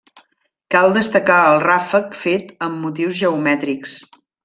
Cal destacar el ràfec fet amb motius geomètrics.